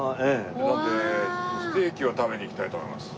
なのでステーキを食べに行きたいと思います。